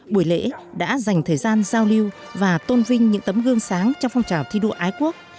buổi lễ đã dành thời gian giao lưu và tôn vinh những tấm gương sáng trong phong trào thi đua ái quốc